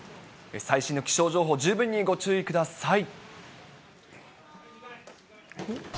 最新の気象情報、十分にご注意ください。